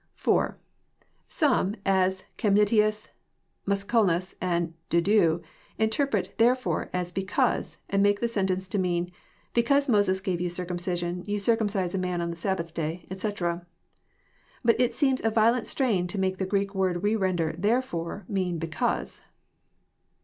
(4) Some, as ChemDitins, Mnscnlas, and De Dien, interpret ''therefore*' as ''because/' and make the sentence meaoy " Because Moses gave you circumcision, yon circumcise a man on the Sabbath day," etc. But it seems a violent strain to make the Greek word we render "therefore" mean "because."